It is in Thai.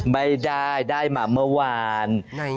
ไม่ได้ได้มาเมื่อวาน